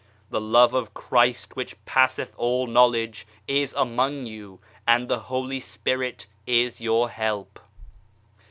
The Love of Christ which passeth all knowledge, is among you, the Holy Spirit is your help.